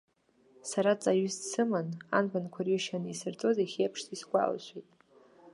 Сара ҵаҩыс дсыман, анбанқәа рҩышьа анисырҵоз иахьеиԥш исгәалашәоит.